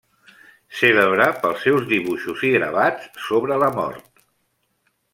Cèlebre pels seus dibuixos i gravats sobre la mort.